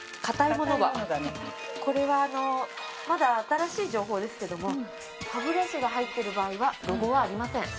これはあのまだ新しい情報ですけども歯ブラシが入ってる場合はロゴはありません。